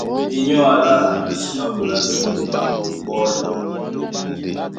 Binyɔ́ alâ, na sí maɓolá tɔ moto ɓɔ́lɔ.